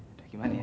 aduh gimana ya